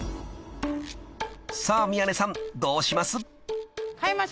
［さあ宮根さんどうします？］